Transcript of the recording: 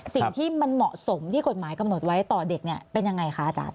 สิ่งที่มันเหมาะสมที่กฎหมายกำหนดไว้ต่อเด็กเนี่ยเป็นยังไงคะอาจารย์